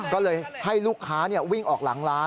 ก็เลยให้ลูกค้าวิ่งออกหลังร้าน